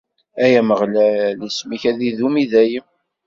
Ay Ameɣlal, isem-ik ad idum i dayem.